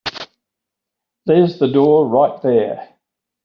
There's the door right there.